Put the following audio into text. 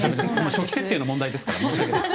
初期設定の問題ですからね。